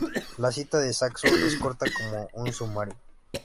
La cita de Saxo es corta, como un sumario.